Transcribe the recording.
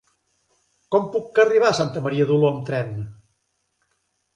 Com puc arribar a Santa Maria d'Oló amb tren?